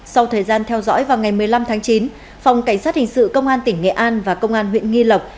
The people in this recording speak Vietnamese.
sau thời gian theo dõi vào ngày một mươi năm tháng chín phòng cảnh sát hình sự công an tỉnh nghệ an và công an huyện nghi lộc